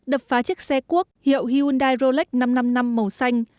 đập phá chiếc xe cuốc hiệu hyundai rolex năm trăm năm mươi năm màu xanh